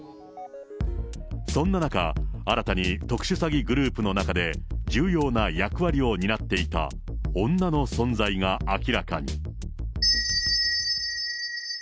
そんな中、新たに特殊詐欺グループの中で、重要な役割を担っていた女の存在が明らかに。